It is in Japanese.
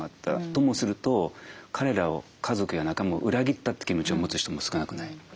ともすると彼らを家族や仲間を裏切ったって気持ちを持つ人も少なくない。